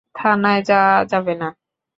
থানায় যাওয়া যাবে না।